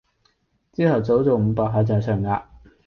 朝頭早做五百下掌上壓